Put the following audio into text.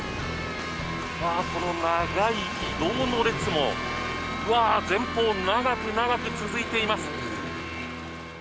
この長い移動の列も前方、長く長く続いています。